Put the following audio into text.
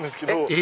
え！